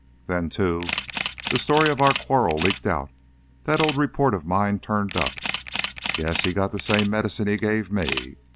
Then, too, the story of our quarrel leaked out, that old report of mine turned up Yes, he got the same medicine he gave me.